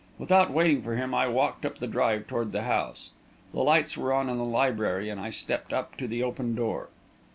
Without waiting for him, I walked up the drive toward the house. The lights were on in the library, and I stepped up to the open door.